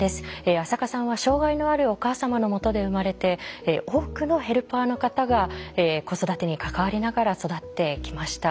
安積さんは障害のあるお母様のもとで生まれて多くのヘルパーの方が子育てに関わりながら育ってきました。